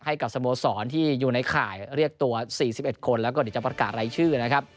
ให้กับสโมสรที่อยู่ในข่ายเรียกตัวสี่สิบเอ็ดคนแล้วก็เดี๋ยวจะประกาศรายชื่อนะครับ